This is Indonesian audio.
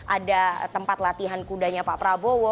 ada tempat latihan kudanya pak prabowo